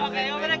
oke yuk break